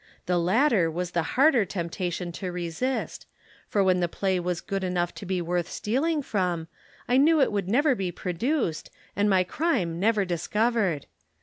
The latter was the harder temptation to resist, for when the play was good enough to be worth stealing from, I knew it would never be produced and my crime never discovered.